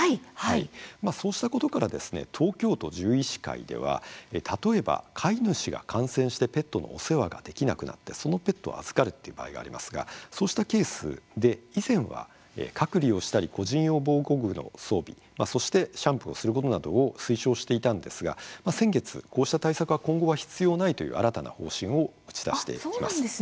そうしたことから東京都獣医師会では例えば、飼い主が感染してペットのお世話ができなくなってそのペットを預かるという場合がありますがそうしたケースで以前は隔離をしたり個人用防護具の装備、そしてシャンプーをすることなどを推奨していたんですが先月、こうした対策は今後は必要ないという新たな方針を打ち出しています。